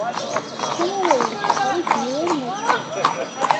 მცენარეული საფარი ძლიერ მეჩხერია.